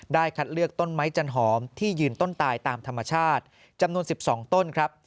คัดเลือกต้นไม้จันหอมที่ยืนต้นตายตามธรรมชาติจำนวน๑๒ต้นครับ